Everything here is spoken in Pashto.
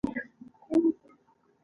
دوی اوس په اردن کې ژوند کوي.